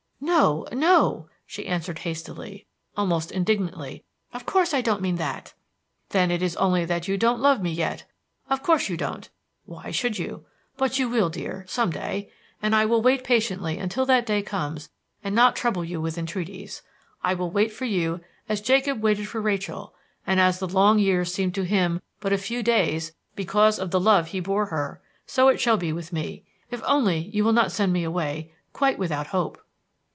"No, no," she answered hastily almost indignantly, "of course I don't mean that." "Then it is only that you don't love me yet. Of course you don't. Why should you? But you will, dear, some day. And I will wait patiently until that day comes and not trouble you with entreaties. I will wait for you as Jacob waited for Rachel; and as the long years seemed to him but as a few days because of the love he bore her, so it shall be with me, if only you will not send me away quite without hope."